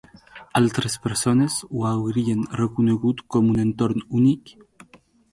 Altres persones ho haurien reconegut com un entorn únic?